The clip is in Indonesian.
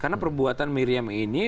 karena perbuatan miriam ini